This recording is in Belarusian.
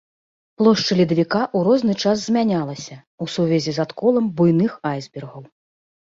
Плошча ледавіка, у розны час змянялася, у сувязі з адколам буйных айсбергаў.